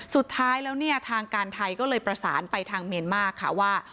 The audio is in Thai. สุดท้ายแล้วเนี่ยทางการไทยก็เลยประสานไปทางเมียนมาร์ค่ะว่า